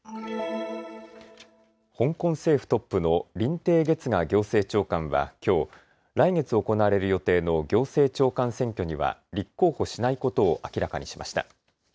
香港政府トップの林鄭月娥行政長官はきょう、来月行われる予定の行政長官選挙には立候補しないことを明らかにしました。